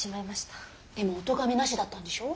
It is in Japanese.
でもおとがめなしだったんでしょ？